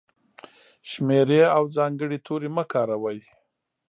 شمېرې او ځانګړي توري مه کاروئ!.